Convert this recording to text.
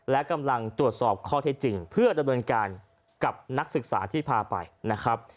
และกำลังตรวจสอบข้อเท็จจริงเพื่อดำเนินการกับนักศึกษาที่พาไปนะครับ